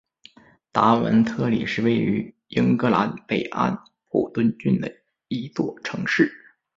达文特里是位于英格兰北安普敦郡的一座城市。